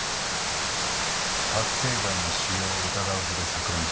覚醒剤の使用を疑うほど錯乱していた。